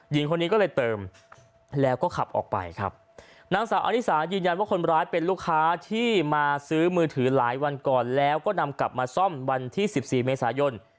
หญิงคนนี้ก็เลยเติมแล้วก็ขับออกไปครับนางสาวอริสายืนยันว่าคนร้ายเป็นลูกค้าที่มาซื้อมือถือหลายวันก่อนแล้วก็นำกลับมาซ่อมวันที่สิบสี่เมษายน